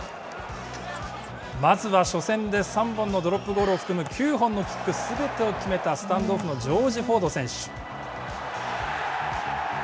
まずは初戦で３本のドロップゴールを含む９本のキックすべてを決めたスタンドオフのジョージ・フォード選手。